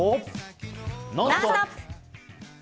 「ノンストップ！」。